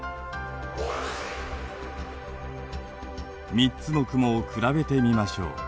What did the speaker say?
３つの雲を比べてみましょう。